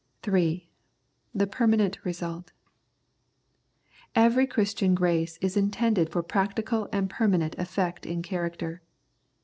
3. The Permanent Result. Every Christian grace is intended for practical and permanent effect in character.